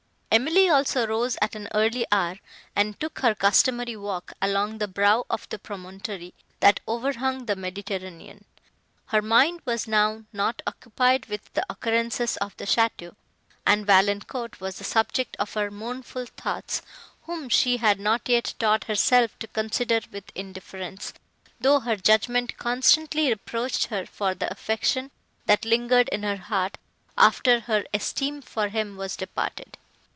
Emily also rose at an early hour, and took her customary walk along the brow of the promontory, that overhung the Mediterranean. Her mind was now not occupied with the occurrences of the château, and Valancourt was the subject of her mournful thoughts; whom she had not yet taught herself to consider with indifference, though her judgment constantly reproached her for the affection, that lingered in her heart, after her esteem for him was departed.